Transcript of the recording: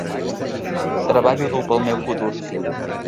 Treballo dur pel meu futur.